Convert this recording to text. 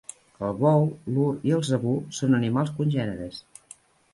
El bou, l'ur i el zebú són animals congèneres.